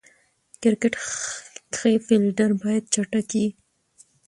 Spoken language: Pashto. کرکټ کښي فېلډر باید چټک يي.